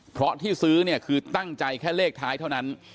เพราะที่ซื้อเนี่ยคือตั้งใจแค่เลขท้ายเท่านั้น